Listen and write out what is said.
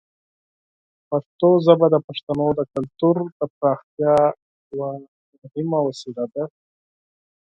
پښتو ژبه د پښتنو د کلتور د پراختیا یوه مهمه وسیله ده.